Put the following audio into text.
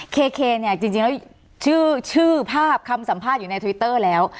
เคเนี่ยจริงแล้วชื่อภาพคำสัมภาษณ์อยู่ในทวิตเตอร์แล้ว